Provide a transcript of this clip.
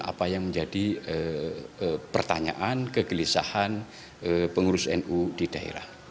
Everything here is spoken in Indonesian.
apa yang menjadi pertanyaan kegelisahan pengurus nu di daerah